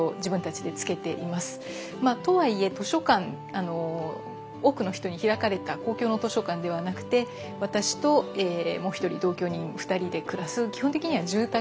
とはいえ多くの人に開かれた公共の図書館ではなくて私ともう１人同居人２人で暮らす基本的には住宅なんですけれども。